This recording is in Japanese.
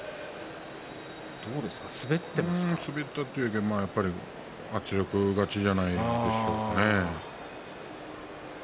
滑ったというより圧力勝ちではないでしょうかね。